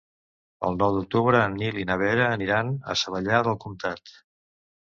El nou d'octubre en Nil i na Vera aniran a Savallà del Comtat.